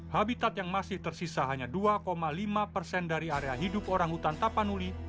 habitat yang masih tersisa hanya dua lima persen dari area hidup orang hutan tapanuli